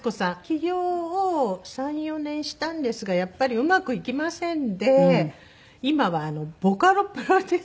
起業を３４年したんですがやっぱりうまくいきませんで今はボカロプロデューサー。